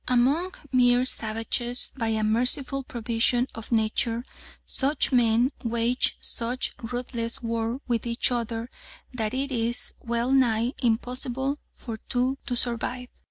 Among mere savages, by a merciful provision of nature, such men wage such ruthless war with each other that it is well nigh impossible for two to survive.